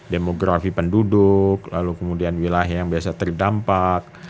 demografi penduduk lalu kemudian wilayah yang biasa terdampak